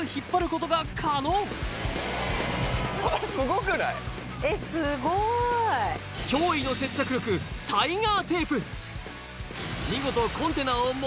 さらに驚異の接着力タイガーテープ